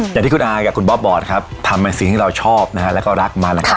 อย่างที่คุณอากับคุณบ๊อบบอกครับทำเป็นสิ่งที่เราชอบนะฮะแล้วก็รักมันนะครับ